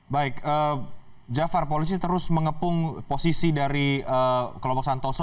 baik jafar polisi terus mengepung posisi dari kelompok santoso